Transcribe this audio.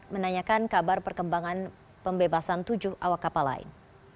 menanyakan kabar perkembangan pembebasan tujuh awak kapal lain